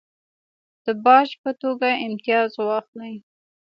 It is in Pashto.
د باج په توګه امتیاز واخلي.